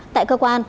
tại cơ quan